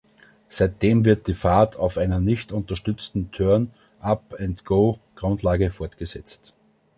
Seitdem wird die Fahrt auf einer nicht unterstützten „turn up and go“-Grundlage fortgesetzt.